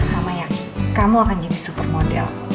mama yakin kamu akan jadi super model